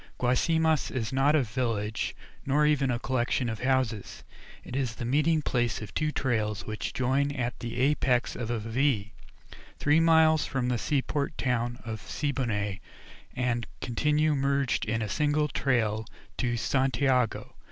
Guasimas is not a village, nor even a collection of houses; it is the meeting place of two trails which join at the apex of a V, three miles from the seaport town of Siboney, and continue merged in a single trail to Santiago.